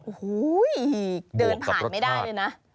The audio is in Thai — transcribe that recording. โอ้โฮยยยยยยยเดินผ่านไม่ได้เลยนะ